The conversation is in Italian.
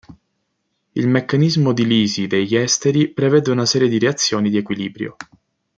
Il meccanismo di lisi degli esteri prevede una serie di reazioni di equilibrio.